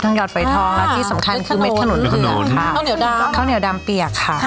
น้องคล้อนก็ใช้